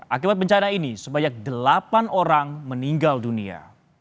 akibat bencana ini sebanyak delapan orang meninggal dunia